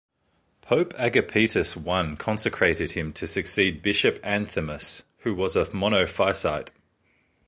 Pope Agapetus I consecrated him to succeed Bishop Anthimus, who was a monophysite.